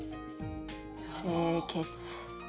清潔！